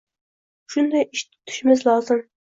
Shunday ish tutishimiz lozim.